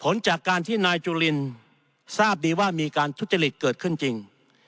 ผลจากการที่นายจุลินทราบดีว่ามีการทุจริตเกิดขึ้นจริง